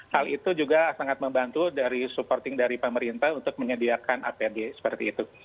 hal itu juga sangat membantu dari supporting dari pemerintah untuk menyediakan apd seperti itu